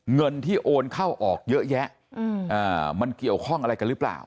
เงินที่โอนเข้าออกเยอะแยะมันเกี่ยวข้องอะไรกันหรือเปล่า